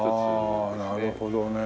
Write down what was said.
ああなるほどね。